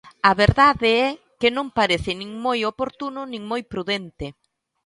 A verdade é que non parece nin moi oportuno nin moi prudente.